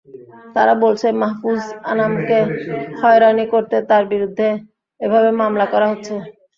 তারা বলছে, মাহফুজ আনামকে হয়রানি করতে তাঁর বিরুদ্ধে এভাবে মামলা করা হচ্ছে।